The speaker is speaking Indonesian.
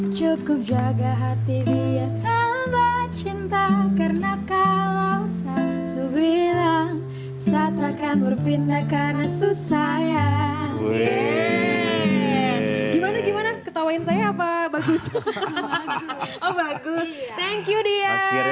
cukup jaga hati dia tambah cinta